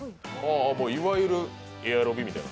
いわゆるエアロビみたいな。